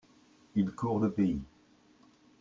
Il court le pays.